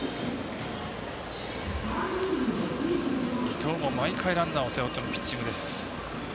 伊藤も毎回ランナーを背負ってのピッチングです。